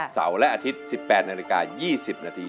เสาร์และอาทิตย์๑๘นาฬิกา๒๐นาที